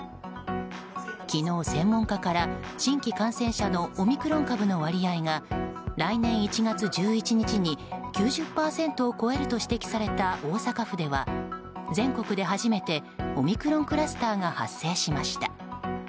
昨日、専門家から新規感染者のオミクロン株の割合が来年１月１１日に９０％を超えると指摘された大阪府では全国で初めてオミクロンクラスターが発生しました。